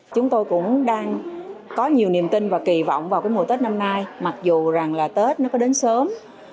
chúng tôi cũng đang có nhiều niềm tin và kỳ vọng vào mùa tết năm nay mặc dù rằng là tết nó có đến sớm